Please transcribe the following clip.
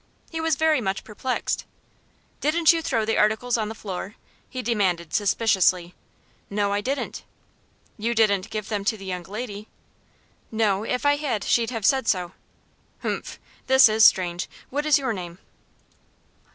He was very much perplexed. "Didn't you throw the articles on the floor?" he demanded, suspiciously. "No, I didn't." "You didn't give them to the young lady?" "No; if I had she'd have said so." "Humph! this is strange. What is your name?"